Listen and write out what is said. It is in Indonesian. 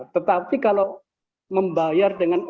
tetapi kalau membayar dengan uang